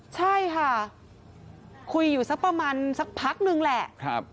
ใช่ค่ะคุยอยู่สักประมาณสักพักนึงแหละ